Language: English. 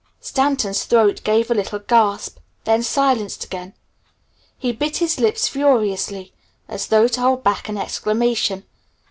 Stanton's throat gave a little gasp, then silenced again. He bit his lips furiously as though to hold back an exclamation.